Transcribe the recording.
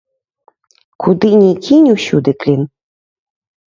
Куды ні кінь, усюды клін.